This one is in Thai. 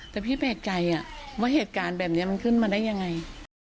แต่พี่แปลกใจว่าเหตุการณ์แบบนี้มันขึ้นมาได้ยังไง